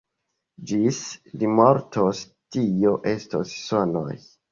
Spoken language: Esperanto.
Ĝis li mortos, tio estos sonoj.